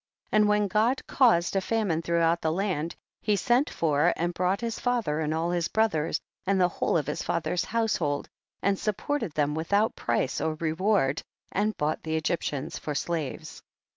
17. And when God caused a fa mine throughout the land he sent for THE BOOK OF JASHER. 217 and brought his father and all his brothers, and the whole of his fa ther's household, and supported them wiiiiout price or reward, and bought the Egvjitians for slaves.